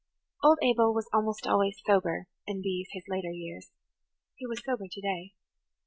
[Page 79] Old Abel was almost always sober in these, his later years. He was sober to day.